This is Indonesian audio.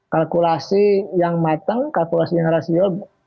kalkulasi yang matang kalkulasi yang rasio